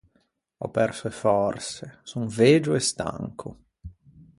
Ò perso e fòrse, son vegio e stanco.